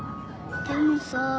でもさぁ。